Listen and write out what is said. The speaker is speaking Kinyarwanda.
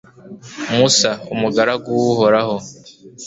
musa, umugaragu w'uhoraho